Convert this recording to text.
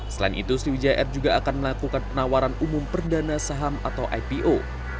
selain itu sriwijaya air juga akan melakukan penawaran umum perdana saham atau ipo